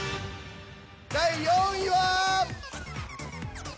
第４位は。